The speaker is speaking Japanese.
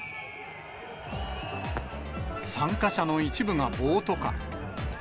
参加者の一部が暴徒化。